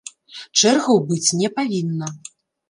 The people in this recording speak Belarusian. Чэргаў быць не павінна.